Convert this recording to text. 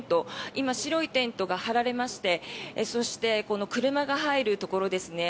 今、白いテントが張られましてそしてこの車が入るところですね